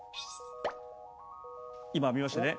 今見ましたね。